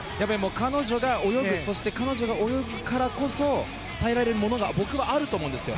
彼女が泳ぐそして、彼女が泳ぐからこそ伝えられるものが僕はあると思うんですよ。